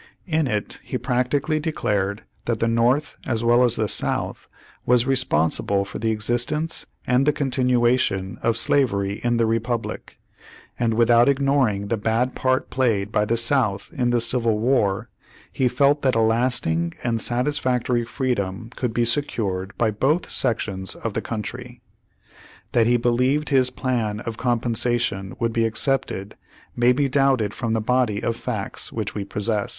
In it he practically declared that the North as well as the South was responsible for the existence and the continuation of slavery in the Republic, and without ignoring the bad part played by the South in the Civil War, he felt that a lasting and satis factory freedom could be secured by both sections of the country. That he believed his plan of com pensation would be accepted may be doubted from the body of facts which we possess.